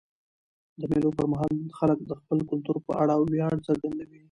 د مېلو پر مهال خلک د خپل کلتور په اړه ویاړ څرګندوي.